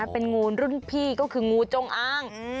เป็นงูรุ่นพี่ก็คืองูจงอ้าง